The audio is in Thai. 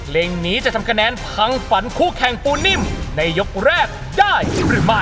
เพลงนี้จะทำคะแนนพังฝันคู่แข่งปูนิ่มในยกแรกได้หรือไม่